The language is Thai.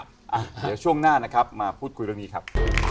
เดี๋ยวช่วงหน้านะครับมาพูดคุยเรื่องนี้ครับ